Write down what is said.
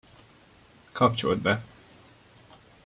Kapcsold be.